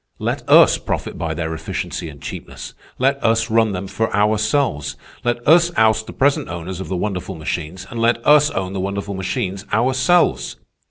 Let us profit by their efficiency and cheapness. Let us run them for ourselves. Let us oust the present owners of the wonderful machines, and let us own the wonderful machines ourselves.